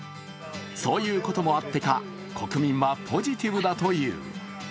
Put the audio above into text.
そういうこともあってか国民はポジティブだという。